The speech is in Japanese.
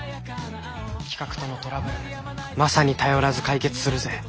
企画とのトラブルマサに頼らず解決するぜ。